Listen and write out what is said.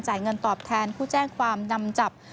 เงินตอบแทนผู้แจ้งความนำจับ